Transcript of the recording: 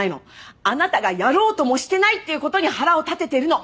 あなたがやろうともしてないっていうことに腹を立ててるの。